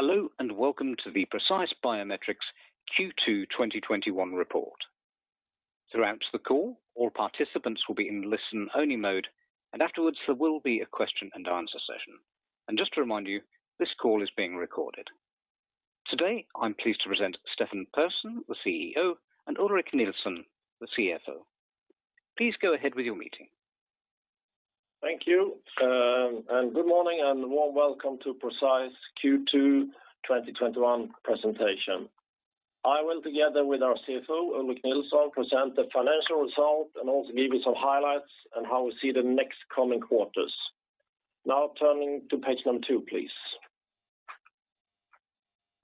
Hello, and welcome to the Precise Biometrics Q2 2021 report. Throughout the call, all participants will be in listen-only mode. Afterwards, there will be a question and answer session. Just to remind you, this call is being recorded. Today, I'm pleased to present Stefan Persson, the CEO, and Ulrik Nilsson, the CFO. Please go ahead with your meeting. Thank you. Good morning, and warm welcome to Precise Q2 2021 presentation. I will, together with our CFO, Ulrik Nilsson, present the financial result and also give you some highlights on how we see the next coming quarters. Turning to page 2, please.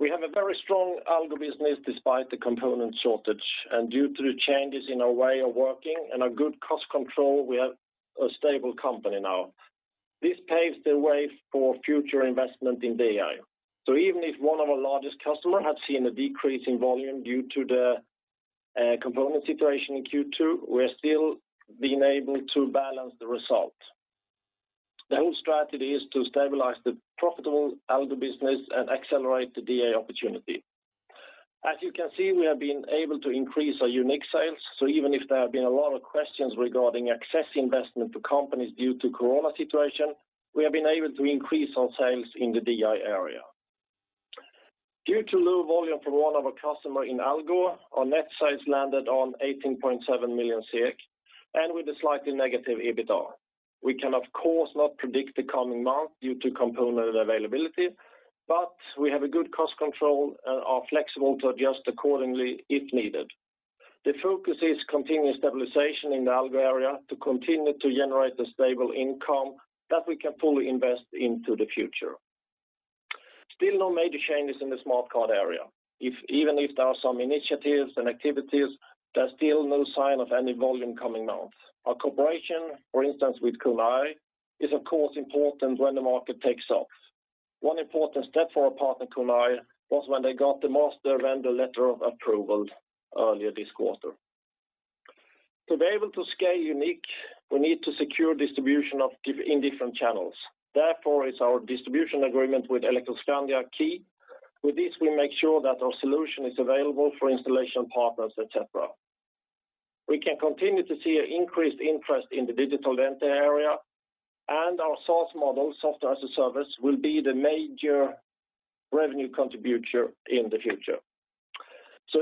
We have a very strong Algo business despite the component shortage. Due to the changes in our way of working and a good cost control, we are a stable company now. This paves the way for future investment in DI. Even if one of our largest customers had seen a decrease in volume due to the component situation in Q2, we're still being able to balance the result. The whole strategy is to stabilize the profitable Algo business and accelerate the DI opportunity. As you can see, we have been able to increase our YOUNiQ sales, so even if there have been a lot of questions regarding access investment to companies due to COVID-19 situation, we have been able to increase our sales in the DI area. Due to low volume from one of our customers in Algo, our net sales landed on 18.7 million, and with a slightly negative EBITDA. We can, of course, not predict the coming month due to component availability, but we have a good cost control and are flexible to adjust accordingly if needed. The focus is continued stabilization in the Algo area to continue to generate the stable income that we can fully invest into the future. Still no major changes in the smart card area. Even if there are some initiatives and activities, there's still no sign of any volume coming out. Our cooperation, for instance, with KONA I, is of course important when the market takes off. One important step for our partner, KONA I, was when they got the Mastercard Vendor Letter of Approval earlier this quarter. To be able to scale YOUNiQ, we need to secure distribution in different channels. Therefore, it's our distribution agreement with Elektroskandia key. With this, we make sure that our solution is available for installation partners, et cetera. We can continue to see an increased interest in the digital identity area, and our SaaS model, Software as a Service, will be the major revenue contributor in the future.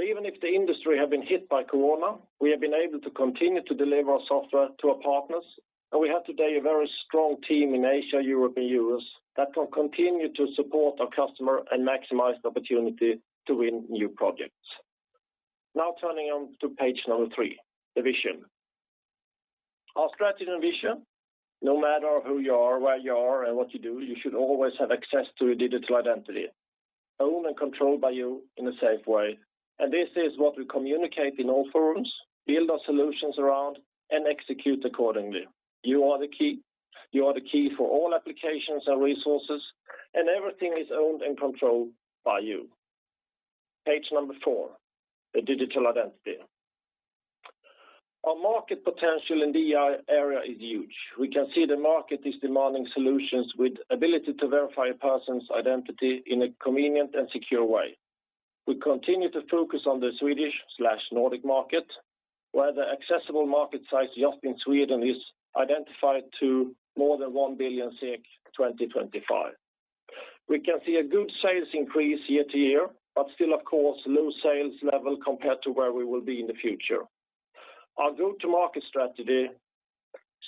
Even if the industry has been hit by COVID-19, we have been able to continue to deliver our software to our partners, and we have today a very strong team in Asia, Europe, and U.S. that will continue to support our customer and maximize the opportunity to win new projects. Turning on to Page three, the vision. Our strategy and vision, no matter who you are, where you are, and what you do, you should always have access to your digital identity, owned and controlled by you in a safe way. This is what we communicate in all forums, build our solutions around, and execute accordingly. You are the key. You are the key for all applications and resources, and everything is owned and controlled by you. Page four, the digital identity. Our market potential in DI area is huge. We can see the market is demanding solutions with ability to verify a person's identity in a convenient and secure way. We continue to focus on the Swedish/Nordic market, where the accessible market size just in Sweden is identified to more than 1 billion 2025. We can see a good sales increase year to year, but still, of course, low sales level compared to where we will be in the future. Our go-to-market strategy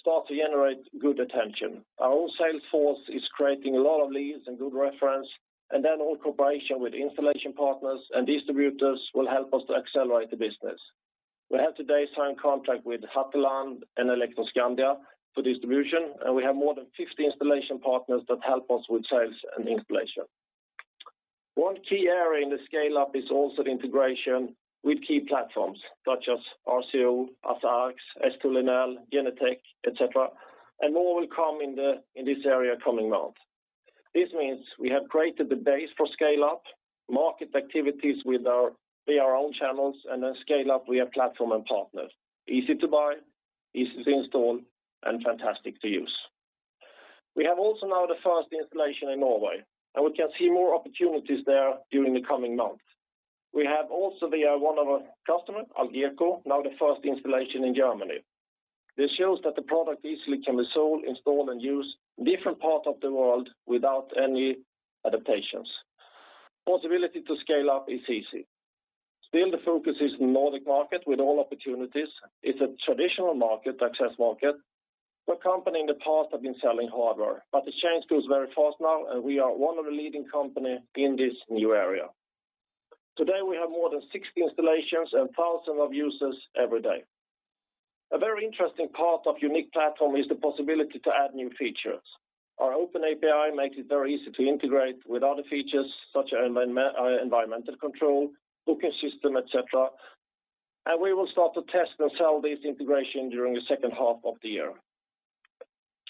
start to generate good attention. Our own sales force is creating a lot of leads and good reference, and then our cooperation with installation partners and distributors will help us to accelerate the business. We have today signed contract with Hatteland and Elektroskandia for distribution, and we have more than 50 installation partners that help us with sales and installation. One key area in the scale-up is also the integration with key platforms, such as RCO, ASSA ABLOY, LenelS2, Genetec, et cetera, and more will come in this area coming months. This means we have created the base for scale-up, market activities via our own channels, and then scale up, we have platform and partners. Easy to buy, easy to install, and fantastic to use. We have also now the first installation in Norway, and we can see more opportunities there during the coming months. We have also via one of our customers, Algeco, now the first installation in Germany. This shows that the product easily can be sold, installed, and used in different parts of the world without any adaptations. Possibility to scale up is easy. Still, the focus is Nordic market with all opportunities. It's a traditional market, access market, where company in the past have been selling hardware, but the change goes very fast now, and we are one of the leading company in this new area. Today, we have more than 60 installations and 1,000 of users every day. A very interesting part of YOUNiQ platform is the possibility to add new features. Our open API makes it very easy to integrate with other features such as environmental control, booking system, et cetera, and we will start to test and sell this integration during the second half of the year.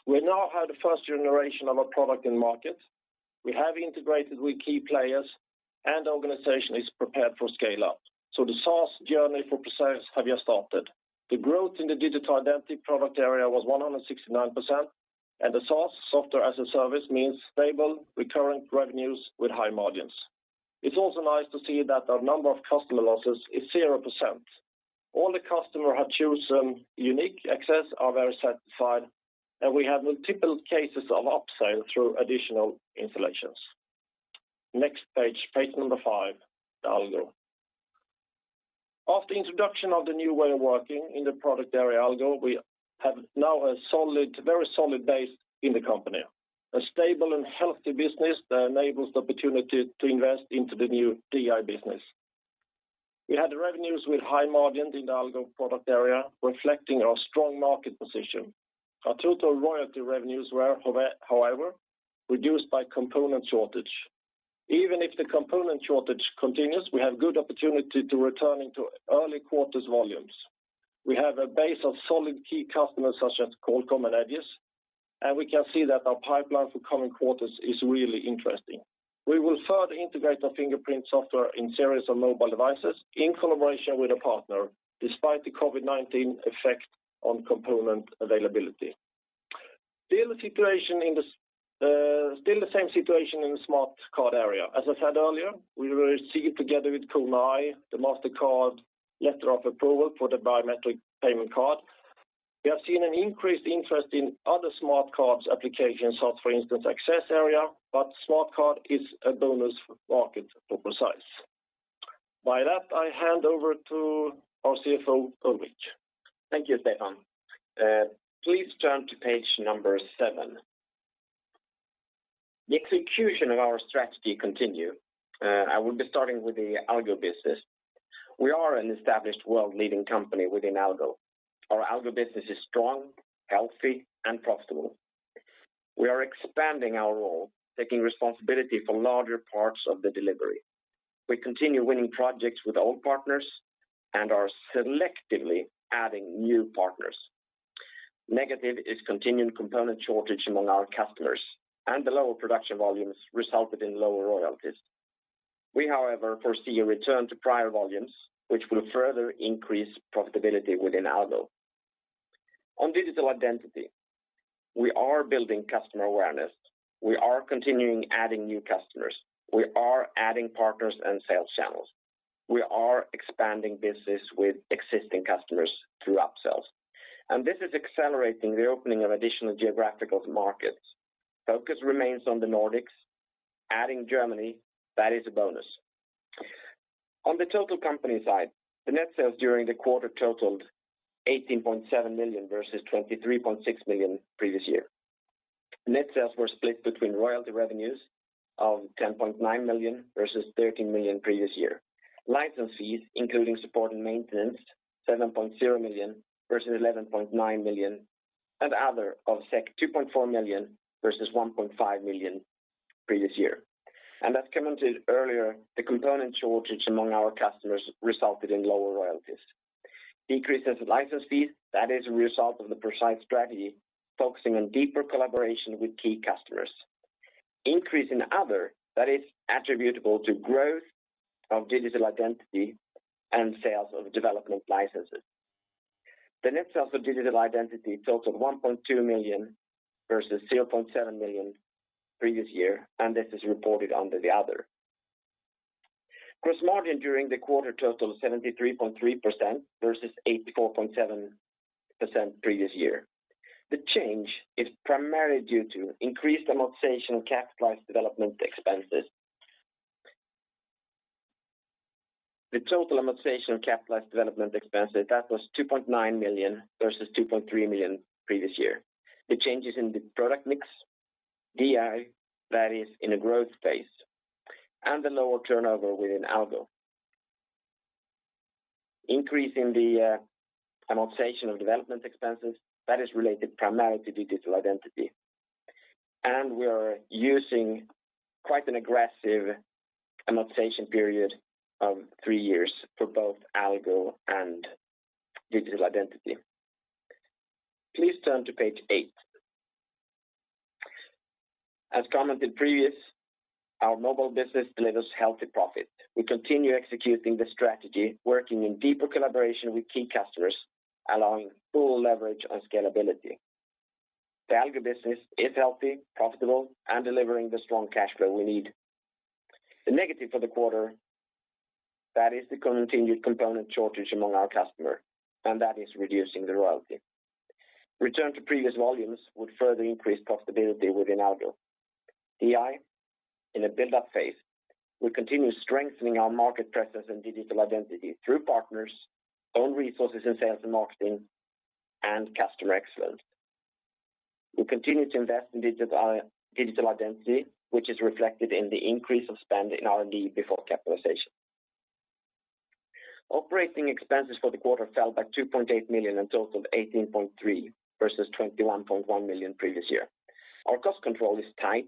We now have the first generation of our product in market. We have integrated with key players. The organization is prepared for scale-up. The SaaS journey for Precise have just started. The growth in the digital identity product area was 169%. The SaaS, software as a service, means stable recurrent revenues with high margins. It's also nice to see that our number of customer losses is 0%. All the customer have chosen YOUNiQ access, are very satisfied, and we have multiple cases of upsell through additional installations. Next page number five, Algo. After introduction of the new way of working in the product area, Algo, we have now a very solid base in the company, a stable and healthy business that enables the opportunity to invest into the new DI business. We had revenues with high margin in the Algo product area, reflecting our strong market position. Our total royalty revenues were, however, reduced by component shortage. Even if the component shortage continues, we have good opportunity to returning to early quarters volumes. We have a base of solid key customers such as Qualcomm and Aegis, and we can see that our pipeline for coming quarters is really interesting. We will further integrate our fingerprint software in series of mobile devices in collaboration with a partner, despite the COVID-19 effect on component availability. Still the same situation in the smart card area. As I said earlier, we will receive together with KONA I, the Mastercard letter of approval for the biometric payment card. We have seen an increased interest in other smart cards applications, for instance, access area, but smart card is a bonus market for Precise. By that, I hand over to our CFO, Ulrik. Thank you, Stefan. Please turn to page seven. The execution of our strategy continue. I will be starting with the Algo business. We are an established world-leading company within Algo. Our Algo business is strong, healthy, and profitable. We are expanding our role, taking responsibility for larger parts of the delivery. We continue winning projects with old partners and are selectively adding new partners. Negative is continued component shortage among our customers, and the lower production volumes resulted in lower royalties. We, however, foresee a return to prior volumes, which will further increase profitability within Algo. On digital identity, we are building customer awareness. We are continuing adding new customers. We are adding partners and sales channels. We are expanding business with existing customers through upsells, and this is accelerating the opening of additional geographical markets. Focus remains on the Nordics, adding Germany, that is a bonus. On the total company side, the net sales during the quarter totaled 18.7 million, versus 23.6 million previous year. Net sales were split between royalty revenues of 10.9 million versus 13 million previous year. License fees, including support and maintenance, 7.0 million versus 11.9 million, and other of 2.4 million versus 1.5 million previous year. As commented earlier, the component shortage among our customers resulted in lower royalties. Decreases in license fees, that is a result of the Precise strategy focusing on deeper collaboration with key customers. Increase in other, that is attributable to growth of digital identity and sales of development licenses. The net sales of digital identity totaled 1.2 million versus 0.7 million previous year, and this is reported under the other. Gross margin during the quarter totaled 73.3% versus 84.7% previous year. The change is primarily due to increased amortization of capitalized development expenses. The total amortization of capitalized development expenses, that was 2.9 million versus 2.3 million previous year. The changes in the product mix, DI, that is in a growth phase, and the lower turnover within Algo. Increase in the amortization of development expenses, that is related primarily to digital identity. We are using quite an aggressive amortization period of three years for both Algo and digital identity. Please turn to page eight. As commented previous, our mobile business delivers healthy profit. We continue executing the strategy, working in deeper collaboration with key customers, allowing full leverage on scalability. The Algo business is healthy, profitable, and delivering the strong cash flow we need. The negative for the quarter, that is the continued component shortage among our customer, that is reducing the royalty. Return to previous volumes would further increase profitability within Algo. DI, in a build-up phase. We continue strengthening our market presence in digital identity through partners, own resources in sales and marketing, and customer excellence. We continue to invest in digital identity, which is reflected in the increase of spend in R&D before capitalization. Operating expenses for the quarter fell by 2.8 million and totaled 18.3 million versus 21.1 million previous year. Our cost control is tight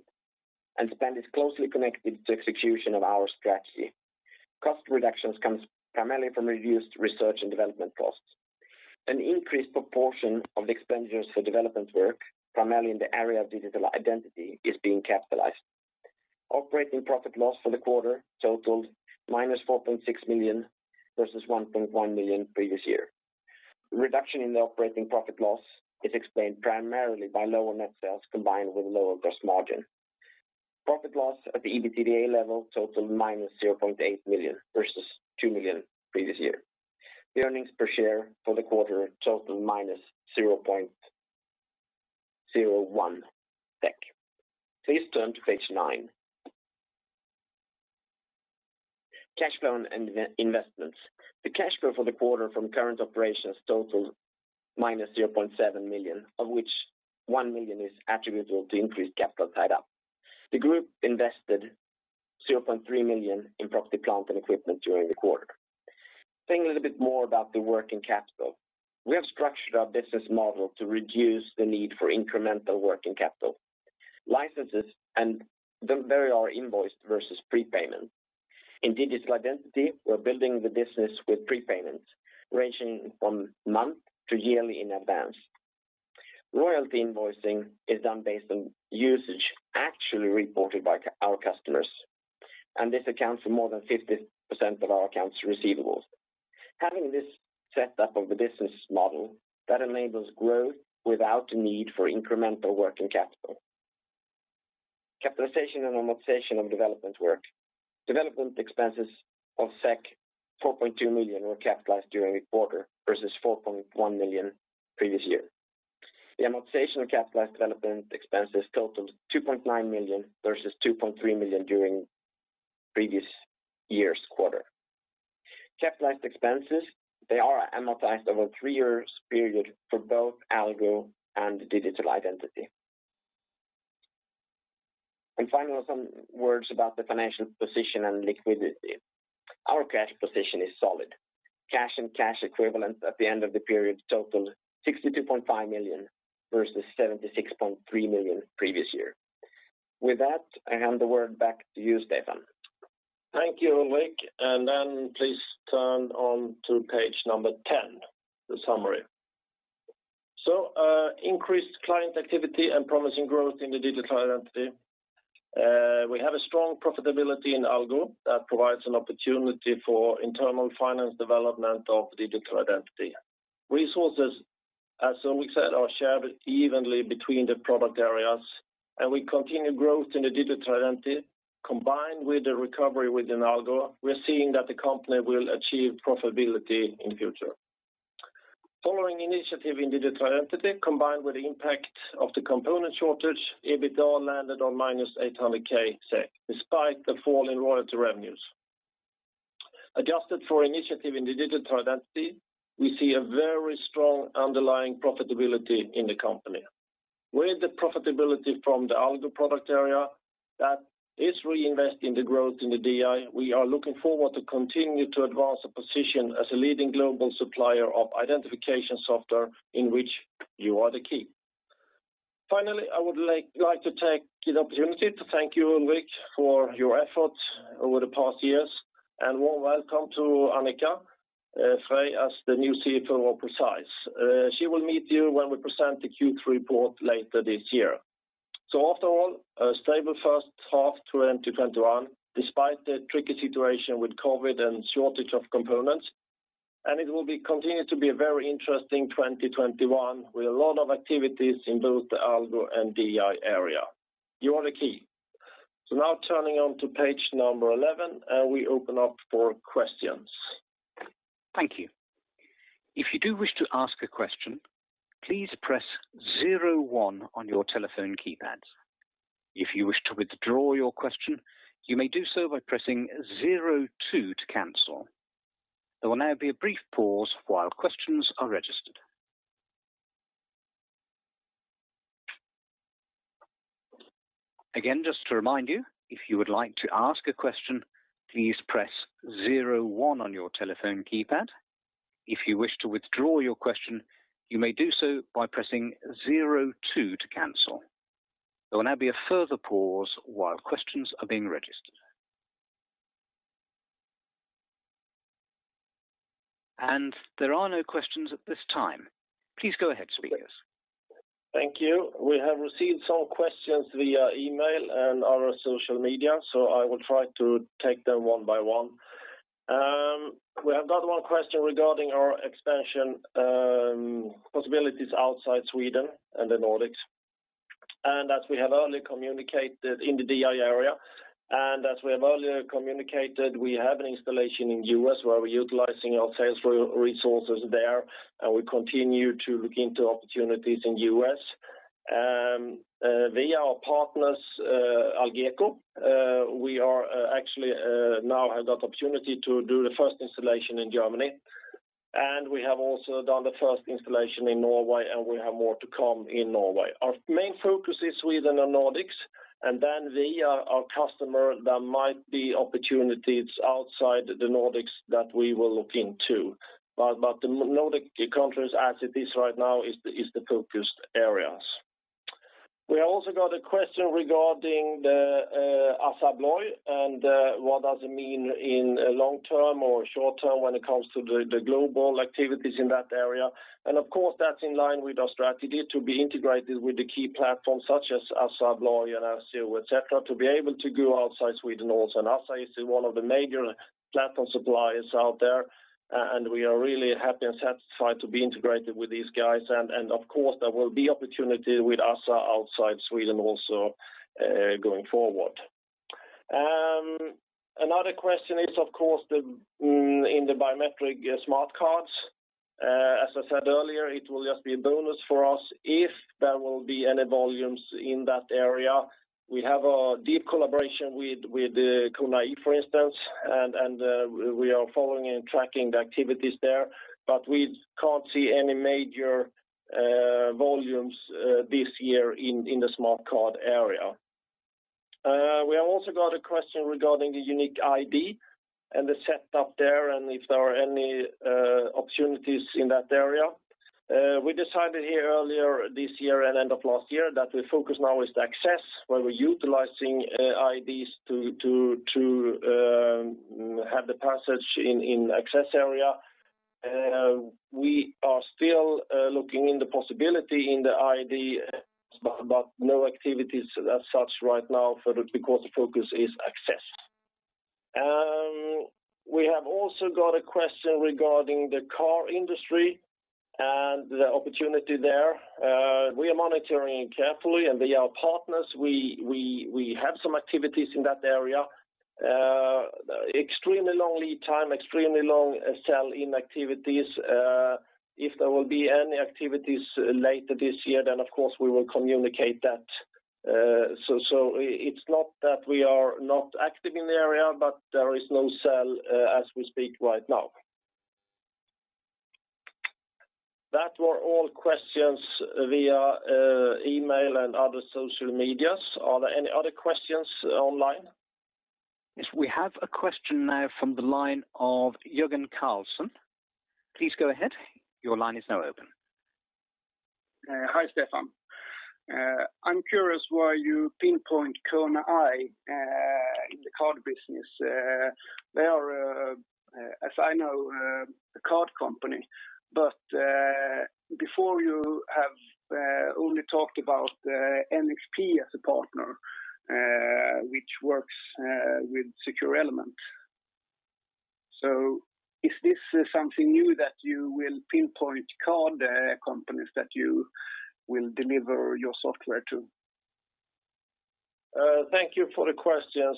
and spend is closely connected to execution of our strategy. Cost reductions comes primarily from reduced research and development costs. An increased proportion of the expenditures for development work, primarily in the area of digital identity, is being capitalized. Operating profit loss for the quarter totaled -4.6 million versus 1.1 million previous year. Reduction in the operating profit loss is explained primarily by lower net sales combined with lower gross margin. Profit loss at the EBITDA level totaled -0.8 million versus 2 million previous year. The earnings per share for the quarter totaled minus 0.01 SEK. Please turn to page nine. Cash flow and investments. The cash flow for the quarter from current operations totaled minus 0.7 million, of which 1 million is attributable to increased capital tied up. The group invested 0.3 million in property, plant, and equipment during the quarter. Saying a little bit more about the working capital. Licenses and delivery are invoiced versus prepayment. In digital identity, we're building the business with prepayments ranging from month to yearly in advance. Royalty invoicing is done based on usage actually reported by our customers, and this accounts for more than 50% of our accounts receivables. Having this set up of the business model, that enables growth without the need for incremental working capital. Capitalization and amortization of development work. Development expenses of 4.2 million were capitalized during the quarter versus 4.1 million previous year. The amortization of capitalized development expenses totaled 2.9 million versus 2.3 million during previous year's quarter. Capitalized expenses, they are amortized over a three years period for both Algo and Digital Identity. Finally, some words about the financial position and liquidity. Our cash position is solid. Cash and cash equivalent at the end of the period totaled 62.5 million, versus 76.3 million previous year. With that, I hand the word back to you, Stefan. Thank you, Ulrik. Please turn on to page 10, the summary. Increased client activity and promising growth in the Digital Identity. We have a strong profitability in Algo that provides an opportunity for internal finance development of Digital Identity. Resources, as Ulrik said, are shared evenly between the product areas, and we continue growth in the Digital Identity combined with the recovery within Algo. We're seeing that the company will achieve profitability in future. Following initiative in Digital Identity, combined with the impact of the component shortage, EBITDA landed on -800K SEK, despite the fall in royalty revenues. Adjusted for initiative in the Digital Identity, we see a very strong underlying profitability in the company. With the profitability from the Algo product area that is reinvesting the growth in the DI, we are looking forward to continue to advance the position as a leading global supplier of identification software in which you are the key. Finally, I would like to take the opportunity to thank you, Ulrik, for your efforts over the past years. Warm welcome to Annika Freij as the new CFO of Precise. She will meet you when we present the Q3 report later this year. After all, a stable first half 2021, despite the tricky situation with COVID and shortage of components. It will continue to be a very interesting 2021, with a lot of activities in both the Algo and DI area. You are the key. Now turning on to page number 11, and we open up for questions. Thank you. If you do wish to ask a question, please press 01 on your telephone keypad. If you wish to withdraw your question, you may do so by pressing 02 to cancel. There will now be a brief pause while questions are registered. Again, just to remind you, if you would like to ask a question, please press 01 on your telephone keypad. If you wish to withdraw your question, you may do so by pressing 02 to cancel. There will now be a further pause while questions are being registered. There are no questions at this time. Please go ahead, speakers. Thank you. We have received some questions via email and other social media. I will try to take them one by one. We have got one question regarding our expansion possibilities outside Sweden and the Nordics. As we have earlier communicated in the DI area, we have an installation in the U.S. where we're utilizing our sales resources there. We continue to look into opportunities in the U.S. Via our partners, Algeco, we actually now have got opportunity to do the first installation in Germany. We have also done the first installation in Norway. We have more to come in Norway. Our main focus is Sweden and Nordics. Then via our customer, there might be opportunities outside the Nordics that we will look into. The Nordic countries as it is right now is the focused areas. We also got a question regarding the ASSA ABLOY, and what does it mean in long term or short term when it comes to the global activities in that area. Of course, that's in line with our strategy to be integrated with the key platforms such as ASSA ABLOY and Axis, et cetera, to be able to go outside Sweden also. ASSA is one of the major platform suppliers out there, and we are really happy and satisfied to be integrated with these guys. Of course, there will be opportunity with ASSA outside Sweden also, going forward. Another question is, of course, in the biometric smart cards. As I said earlier, it will just be a bonus for us if there will be any volumes in that area. We have a deep collaboration with KONA I, for instance, we are following and tracking the activities there. We can't see any major volumes this year in the smart card area. We have also got a question regarding the YOUNiQ ID and the setup there and if there are any opportunities in that area. We decided here earlier this year and end of last year that the focus now is the access, where we're utilizing IDs to have the passage in access area. We are still looking in the possibility in the ID, no activities as such right now because the focus is access. We have also got a question regarding the car industry and the opportunity there. We are monitoring carefully, they are partners. We have some activities in that area. Extremely long lead time, extremely long sell-in activities. If there will be any activities later this year, then of course, we will communicate that. It's not that we are not active in the area, but there is no sell as we speak right now. That were all questions via email and other social medias. Are there any other questions online? Yes, we have a question now from the line of Juergen Carlson. Please go ahead. Your line is now open. Hi, Stefan. I'm curious why you pinpoint KONA I in the card business. They are, as I know, a card company, but before you have only talked about NXP as a partner, which works with Secure Element. Is this something new that you will pinpoint card companies that you will deliver your software to? Thank you for the question.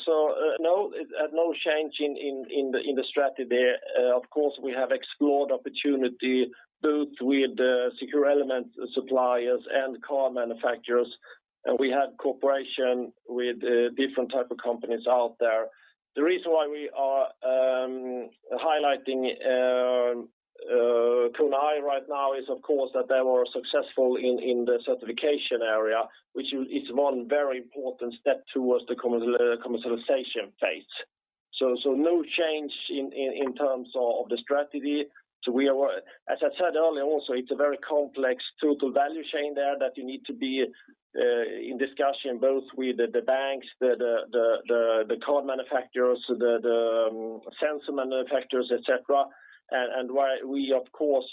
No change in the strategy there. Of course, we have explored opportunity both with Secure Element suppliers and car manufacturers, and we have cooperation with different types of companies out there. The reason why we are highlighting KONA I right now is of course that they were successful in the certification area, which is one very important step towards the commercialization phase. No change in terms of the strategy. As I said earlier also, it's a very complex total value chain there that you need to be in discussion both with the banks, the card manufacturers, the sensor manufacturers, et cetera. We are of course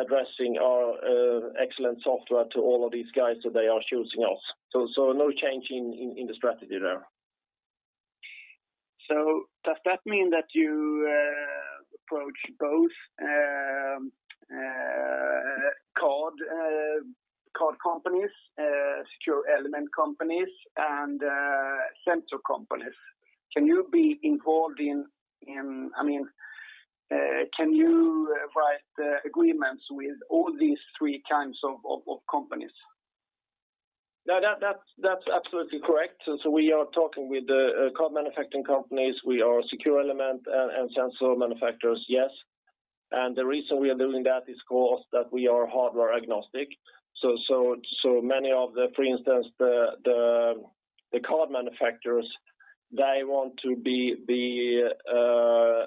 addressing our excellent software to all of these guys that they are choosing us. No change in the strategy there. Does that mean that you approach both card companies, Secure Element companies, and sensor companies? Can you write agreements with all these three kinds of companies? No, that's absolutely correct. We are talking with card manufacturing companies. We are Secure Element and sensor manufacturers, yes. The reason we are doing that is of course that we are hardware agnostic. Many of the, for instance, the card manufacturers, they want to be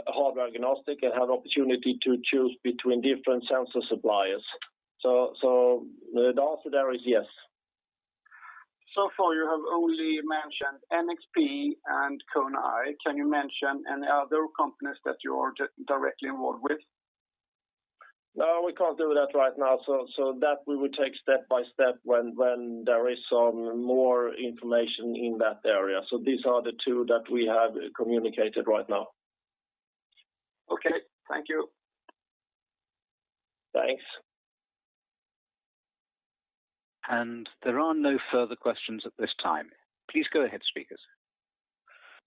hardware agnostic and have opportunity to choose between different sensor suppliers. The answer there is yes. You have only mentioned NXP and KONA I. Can you mention any other companies that you are directly involved with? No, we can't do that right now. That we will take step by step when there is some more information in that area. These are the two that we have communicated right now. Okay. Thank you. Thanks. There are no further questions at this time. Please go ahead, speakers.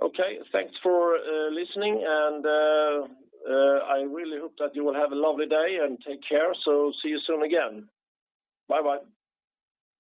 Okay. Thanks for listening, and I really hope that you will have a lovely day, and take care. See you soon again. Bye-bye